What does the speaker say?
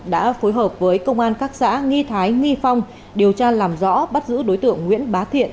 đã phối hợp với công an các xã nghi thái nghi phong điều tra làm rõ bắt giữ đối tượng nguyễn bá thiện